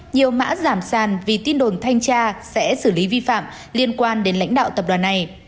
nhiều mã giảm sàn vì tin đồn thanh tra sẽ xử lý vi phạm liên quan đến lãnh đạo tập đoàn này